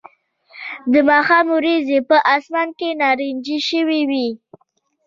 د ماښام وریځې په آسمان کې نارنجي شوې وې